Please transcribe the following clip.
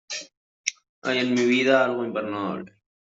hay en mi vida algo imperdonable.